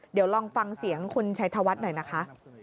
เดี๋ยวลองฟังเสียงคุณชัยธวัฒน์หน่อยนะคะ